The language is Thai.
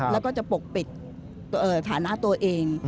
แล้วก็จะปกปิดฐานะตัวเอง